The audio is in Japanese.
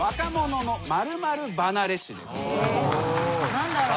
何だろう？